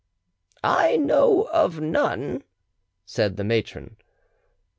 "I know of none," said the matron.